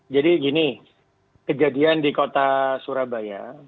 jadi gini kejadian di kota surabaya